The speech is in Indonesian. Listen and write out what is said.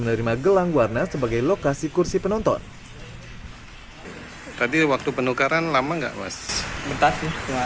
menerima gelang warna sebagai lokasi kursi penonton tadi waktu penukaran lama enggak mas betah